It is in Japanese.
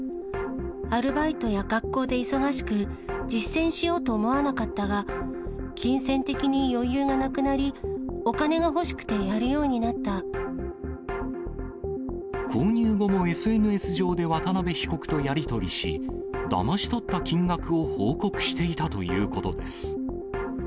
アルバイトや学校で忙しく、実践しようと思わなかったが、金銭的に余裕がなくなり、購入後もＳＮＳ上で渡辺被告とやり取りし、だまし取った金額を報告していたということです。